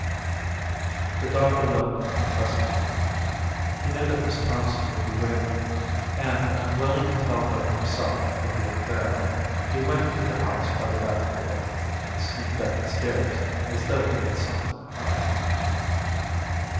The doctor left him crest fallen. He knew that Miss Thompson would be waiting for him, and unwilling to tell her himself that he had failed, he went into the house by the back door and sneaked up the stairs as though he had something to hide.